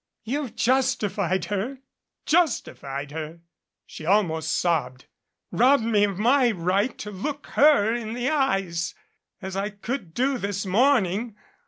"You've justified her justified her," she almost sobbed, "robbed me of my right to look her in the eyes as I could do this morning.